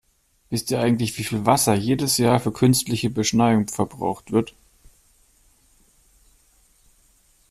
Wisst ihr eigentlich, wie viel Wasser jedes Jahr für künstliche Beschneiung verbraucht wird?